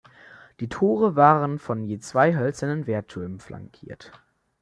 Die Tore waren von je zwei hölzernen Wehrtürmen flankiert.